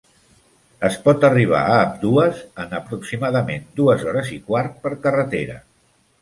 Es pot arribar a ambdues en aproximadament dues hores i quart per carretera.